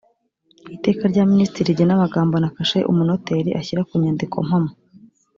iteka rya minisitiri rigena amagambo na kashe umunoteri ashyira ku nyandiko mpamo